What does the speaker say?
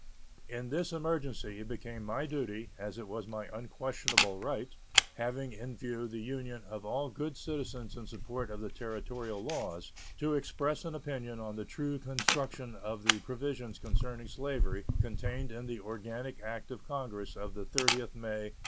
In this emergency it became my duty, as it was my unquestionable right, having in view the union of all good citizens in support of the Territorial laws, to express an opinion on the true construction of the provisions concerning slavery contained in the organic act of Congress of the 30th May, 1854.